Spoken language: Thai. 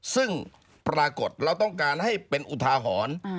ซึ่งปรากฏเราต้องการให้เป็นอุทาหรณ์